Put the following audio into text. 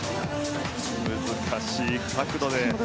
難しい角度で。